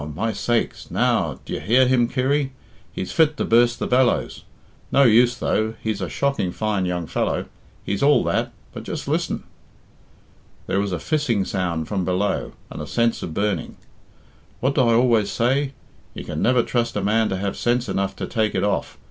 my sakes, now! D'ye hear him, Kirry? He's fit to burst the bellows. No use, though he's a shocking fine young fellow he's all that.... But just listen!" There was a fissing sound from below, and a sense of burning. "What do I always say? You can never trust a man to have sense enough to take it off.